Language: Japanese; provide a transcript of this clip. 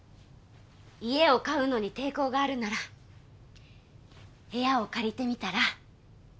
家を買うのに抵抗があるなら部屋を借りてみたら？